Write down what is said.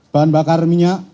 bahan bakar minyak